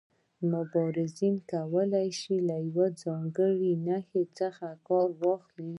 مبارزین کولای شي له یو ځانګړي نښان څخه کار واخلي.